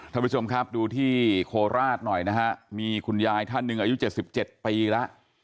ท่านผู้ชมครับดูที่โคราชหน่อยนะฮะมีคุณยายท่านหนึ่งอายุ๗๗ปีแล้ว